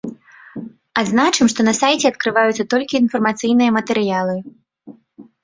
Адзначым, што на сайце адкрываюцца толькі інфармацыйныя матэрыялы.